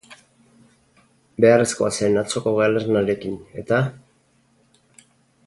Beharrezkoa zen atzoko galernarekin, eta?